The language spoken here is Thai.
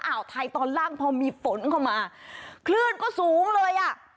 อ่าวไทยตอนล่างพอมีฝนเข้ามาคลื่นก็สูงเลยอ่ะ